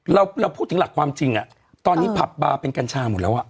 เราพูดถึงหลักความจริงอ่ะตอนนี้ผับบาร์เป็นกัญชาหมดแล้วอ่ะ